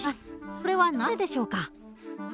これはなぜでしょうか？